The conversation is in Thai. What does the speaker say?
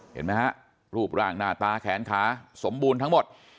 เห็นไหมฮะรูปร่างหน้าตาแขนขาสมบูรณ์ทั้งหมด